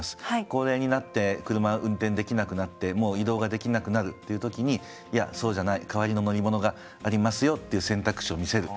高齢になって車を運転できなくなってもう移動ができなくなるという時にいやそうじゃない代わりの乗り物がありますよっていう選択肢を見せる。